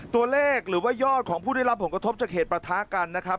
ตัวเลขหรือว่ายอดของผู้ได้รับผลกระทบจากเหตุประทะกันนะครับ